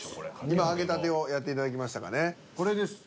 今揚げたてをやっていただきましたかね。